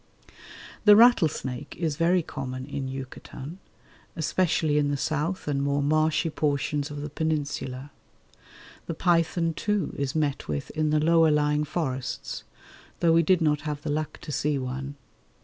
The rattlesnake is very common in Yucatan, especially in the south and more marshy portions of the Peninsula. The python, too, is met with in the lower lying forests, though we did not have the luck to see one.